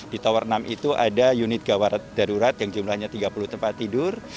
di tower enam itu ada unit gawat darurat yang jumlahnya tiga puluh tempat tidur